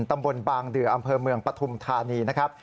ตำบลบางเดืออำเภอเมืองปฐุมธานีนะครับ